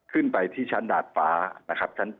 ขึ้นไปที่ชั้นดาดฟ้านะครับ